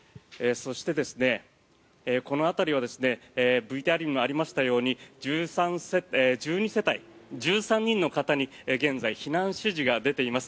そしてこの辺りはＶＴＲにもありましたように１２世帯１３人の方に現在、避難指示が出ています。